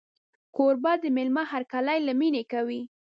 کوربه د مېلمه هرکلی له مینې کوي.